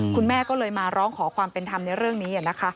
คุณแม่ก็เลยมาร้องขอความเป็นธรรมในเรื่องนี้